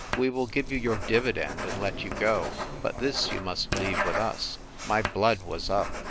We will give you your dividend and let you go; but this you must leave with us." My blood was up.